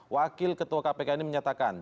wakil ketua kpk ini menyatakan